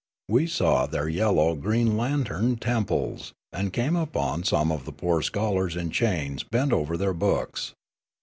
We saw their yellow, green lanterned temples, and came upon some of the poor scholars in chains bent over their books.